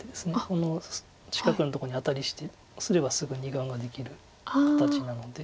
この近くのとこにアタリすればすぐ２眼ができる形なので。